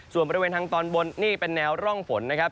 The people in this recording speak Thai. ส่วนบริเวณทางตอนบนนี่เป็นแนวร่องฝนนะครับ